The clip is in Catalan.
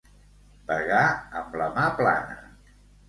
Pegar amb la mà plana.